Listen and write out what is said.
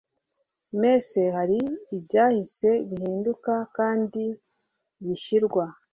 masse hari ibyahise bihinduka kandi bishyirwa